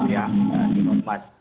ya perlindungan hukum yang sama